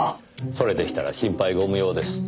それでしたら心配ご無用です。